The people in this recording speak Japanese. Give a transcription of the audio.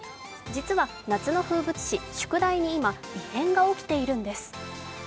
実は夏の風物詩、宿題に今、異変が起きているんです。